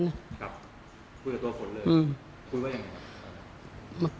คุยกับตัวฝนเลยคุยว่ายังไงครับ